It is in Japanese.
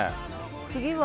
次は。